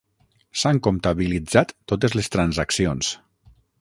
S'han comptabilitzat totes les transaccions.